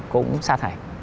cũng xa thải